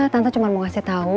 tante cuma mau kasih tau